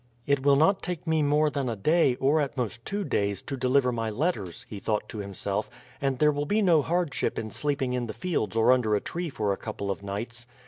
"It will not take me more than a day, or at most two days, to deliver my letters," he thought to himself, "and there will be no hardship in sleeping in the fields or under a tree for a couple of nights.